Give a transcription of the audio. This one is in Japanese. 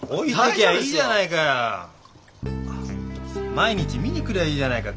毎日見に来りゃいいじゃないか。